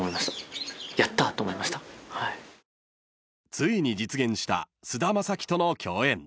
［ついに実現した菅田将暉との共演］